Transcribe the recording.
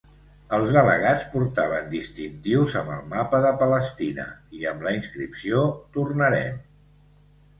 Els delegats portaven distintius amb el mapa de Palestina i amb la inscripció "Tornarem".